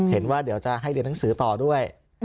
เห็นว่าเดี๋ยวจะให้เรียนหนังสือต่อด้วย